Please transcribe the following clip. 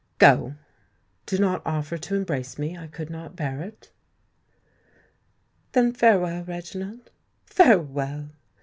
"Go—do not offer to embrace me—I could not bear it!" "Then farewell, Reginald—farewell!"